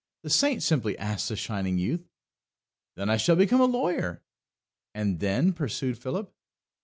the saint simply asked the shining youth. "Then I shall become a lawyer!" "And then?" pursued Philip.